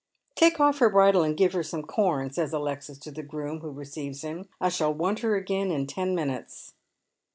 " Take olf her bridle and give her some corn," says Alexia to the groom who receives him. " I shall want her again in ten minutes."